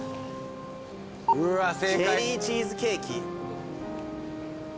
チェリーチーズケーキ。